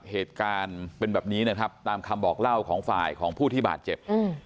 เหตุการณ์เป็นแบบนี้นะครับตามคำบอกเล่าของฝ่ายของผู้ที่บาดเจ็บอืม